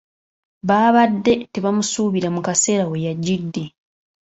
Baabadde tebamusuubira mu kaseera we yajjidde.